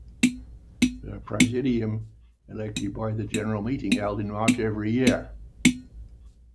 The Presidium is elected by the General Meeting held in March every year.